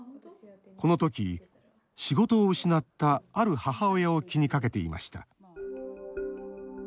このとき、仕事を失ったある母親を気にかけていました